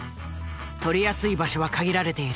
撮りやすい場所は限られている。